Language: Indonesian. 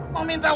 mau minta uang